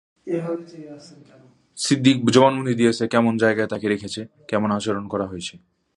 সিদ্দিক জবানবন্দি দিয়েছে কেমন জায়গায় তাকে রেখেছে, কেমন আচরণ করা হয়েছে।